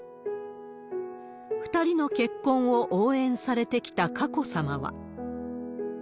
２人の結婚を応援されてきた佳子さまは。